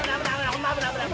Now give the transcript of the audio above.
ホンマ危ない！